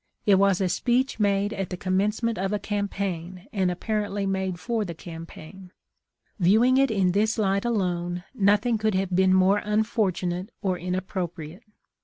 It was a speech made at the com mencement of a campaign, and apparently made for the campaign. Viewing it in this light alone, noth ing could have been more unfortunate or inappro priate.